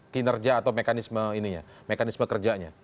kinerja atau mekanisme ini ya mekanisme kerjanya